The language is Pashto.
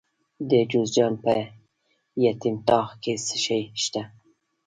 د جوزجان په یتیم تاغ کې څه شی شته؟